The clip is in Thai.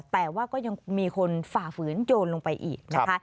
แต่ว่าก็ยังมีคนฝ่าฝืนโยนลงไปอีกนะคะ